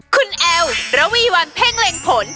คุณแอลระวีวันเพ่งเล็งผล